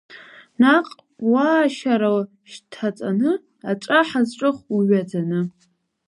Наҟ уаашьара шьҭаҵаны, аҵәа ҳазҿых уҩаӡаны!